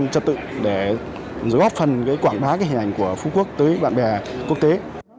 trật tự để góp phần quảng bá hình ảnh của phú quốc tới bạn bè